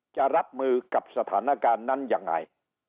จะรับมือกับสถานการณ์นั้นยังไง